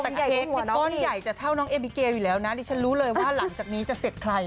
แต่เค้กนี่ก้อนใหญ่จะเท่าน้องเอบิเกลอยู่แล้วนะดิฉันรู้เลยว่าหลังจากนี้จะเสร็จใคร